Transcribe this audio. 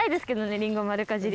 りんご丸かじり